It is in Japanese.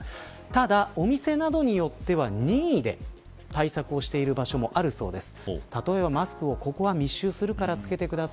ただ、お店などによっては任意で対策している場所もあるそうです。